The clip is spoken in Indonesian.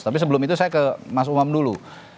tapi sebelum itu saya ke mas umam dulu